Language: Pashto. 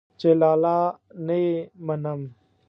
چې لالا نه يې منم.